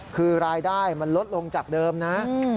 คือรายได้มันลดลงจากเดิมนะ